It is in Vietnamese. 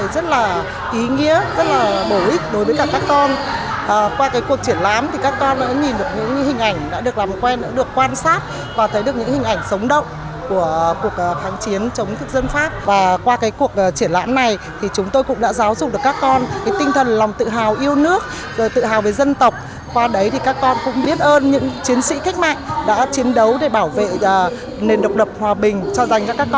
đã chiến đấu để bảo vệ nền độc độc hòa bình cho dành cho các con được cuộc sống ấm no tự do hạnh phúc ngày hôm nay